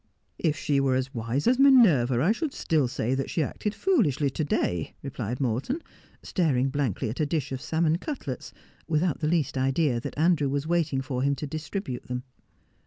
' If she were as wise as Minerva, I should still say that she acted foolishly to day,' replied Morton, staring blankly at a dish of salmon cutlets, without the least idea that Andrew was waiting for him to distribute them.